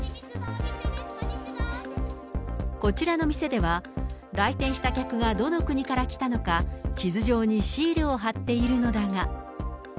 こちらの店では、来店した客がどの国から来たのか、地図上にシールを貼っているのだが。